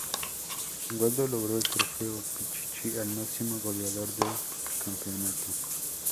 Waldo logró el Trofeo Pichichi al máximo goleador del campeonato.